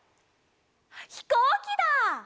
ひこうきだ！